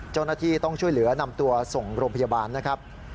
เจ้าหน้าที่ต้องช่วยเหลือนำตัวส่งโรงพยาบาลนะครับ